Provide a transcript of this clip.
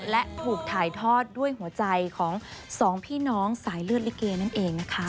และถูกถ่ายทอดด้วยหัวใจของสองพี่น้องสายเลือดลิเกนั่นเองนะคะ